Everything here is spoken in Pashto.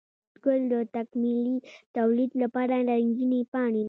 گل د تکميلي توليد لپاره رنګينې پاڼې لري